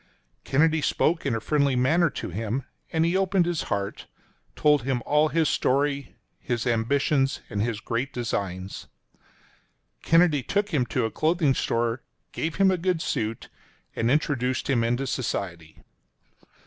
Kennedy spoke in a friendly manner to him, and he opened his heart — told him all his story, his ambition and his great designs. Kennedy took him to a clothing store, gave him a good suit, and introduced him into society.